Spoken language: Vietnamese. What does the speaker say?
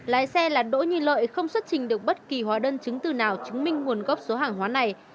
lái xe là đỗ như lợi không xuất trình được bất kỳ hóa đơn chứng từ nào chứng minh nguồn gốc số hàng hóa này